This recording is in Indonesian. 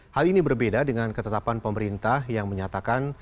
hal ini berbeda dengan ketetapan pemerintah yang menyatakan